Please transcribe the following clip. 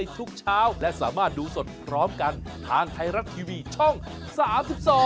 สวัสดีค่ะ